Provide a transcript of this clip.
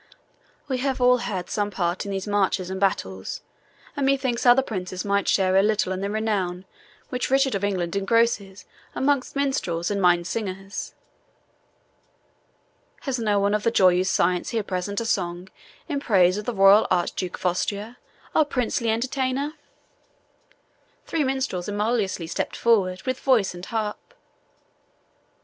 "We have all had some part in these marches and battles, and methinks other princes might share a little in the renown which Richard of England engrosses amongst minstrels and MINNE SINGERS. Has no one of the joyeuse science here present a song in praise of the royal Archduke of Austria, our princely entertainer?" Three minstrels emulously stepped forward with voice and harp.